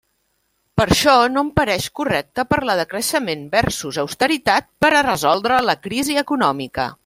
Per això, no em pareix correcte parlar de creixement versus austeritat per a resoldre la crisi econòmica.